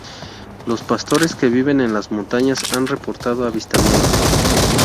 Los pastores que viven en las montañas han reportado avistamientos.